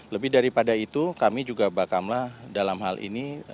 lebih daripada itu kami juga bakamlah dalam hal ini